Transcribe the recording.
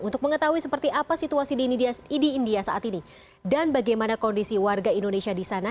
untuk mengetahui seperti apa situasi di india saat ini dan bagaimana kondisi warga indonesia di sana